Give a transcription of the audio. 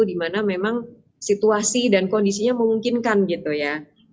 di mana memang situasi dan kondisinya memungkinkan gitu ya